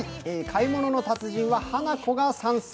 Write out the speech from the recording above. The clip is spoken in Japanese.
「買い物の達人」はハナコが参戦。